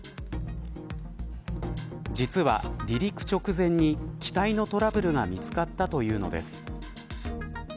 実は、離陸直前に機体のトラブルが見つかったというのです。